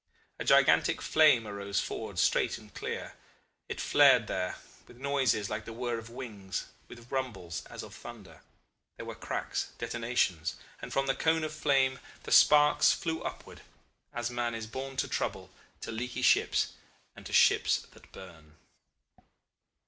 A gigantic flame arose forward straight and clear. It flared there, with noises like the whir of wings, with rumbles as of thunder. There were cracks, detonations, and from the cone of flame the sparks flew upwards, as man is born to trouble, to leaky ships, and to ships that burn.